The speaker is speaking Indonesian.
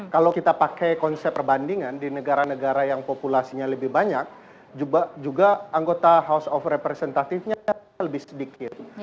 kalau kita pakai konsep perbandingan di negara negara yang populasinya lebih banyak juga anggota house of representatifnya lebih sedikit